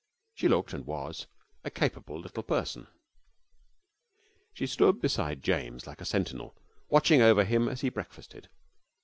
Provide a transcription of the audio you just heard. She looked and was a capable little person. She stood besides James like a sentinel, watching over him as he breakfasted.